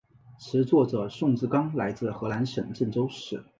词作者宋志刚来自河南省郑州市。